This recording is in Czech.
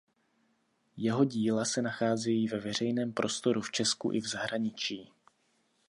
Jeho díla se nacházejí ve veřejném prostoru v Česku i v zahraničí.